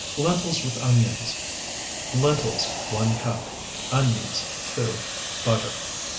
LENTILS WITH ONIONS Lentils, 1 cup. Onions, 2. Butter.